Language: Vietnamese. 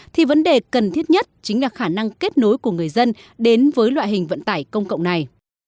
thì vấn đề cần thiết nhất chính là khả năng kết nối của người dân đến với loại hình vận tải công cộng này